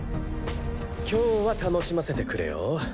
今日は楽しませてくれよ。